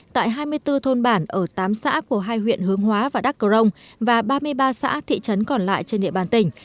tại hai mươi bốn thôn bản ở tám xã của hai huyện hướng hóa và đắk cờ rông và ba mươi ba xã thị trấn còn lại trên địa bàn tỉnh